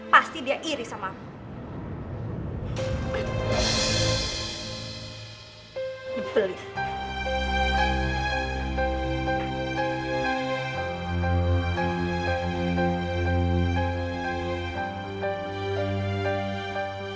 pasti dia iri sama